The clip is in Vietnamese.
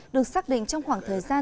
được xác định trong khoảng thời gian